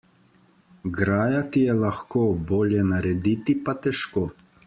Grajati je lahko, bolje narediti pa težko.